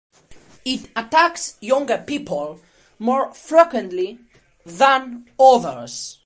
It attacks younger people more frequently than others.